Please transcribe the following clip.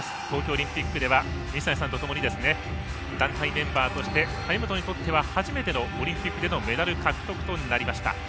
東京オリンピックでは水谷さんとともに団体メンバーとして張本にとっては初めてのオリンピックでのメダル獲得となりました。